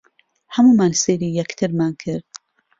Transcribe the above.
هەموومان سەیری یەکترمان کرد.